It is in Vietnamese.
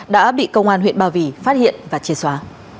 đã bị công an huyện ba vì phát hiện và chê xóa